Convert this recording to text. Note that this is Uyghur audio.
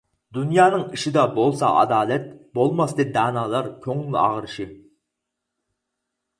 دۇنيانىڭ ئىشىدا بولسا ئادالەت، بولماستى دانالار كۆڭۈل ئاغرىشى.